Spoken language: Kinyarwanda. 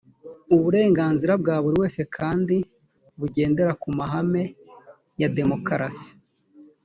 uburenganzira bwa buri wese kandi bugendera ku mahame ya demokarasi